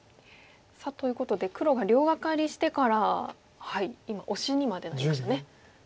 ということで黒が両ガカリしてから今オシにまでなりましたね。